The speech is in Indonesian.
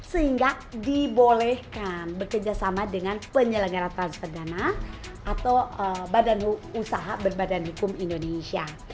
sehingga dibolehkan bekerjasama dengan penyelenggara transpegana atau badan usaha berbadan hukum indonesia